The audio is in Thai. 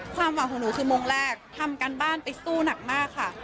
ความหวังของหนูคือมงแรกทำการบ้านไปสู้หนักมากค่ะ